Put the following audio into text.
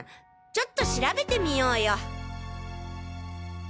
ちょっと調べてみようよ。